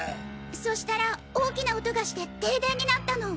そしたら大きな音がして停電になったの。